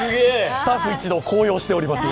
スタッフ一同、高揚しております